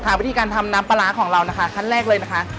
วิธีการทำน้ำปลาร้าของเรานะคะขั้นแรกเลยนะคะ